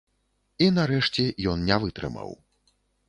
І, нарэшце, ён не вытрымаў.